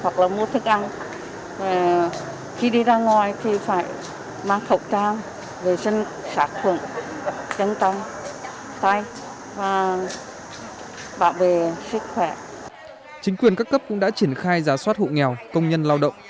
chính quyền các cấp cũng đã triển khai giá soát hộ nghèo công nhân lao động